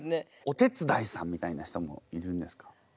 お手伝いさんみたいな人もいるんですか？